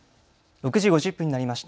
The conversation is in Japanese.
６時５０分になりました。